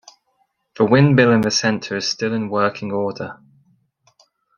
The windmill in the centre is still in working order.